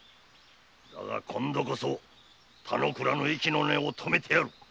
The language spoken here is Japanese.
だが今度こそ田之倉の息の根を止めてやる。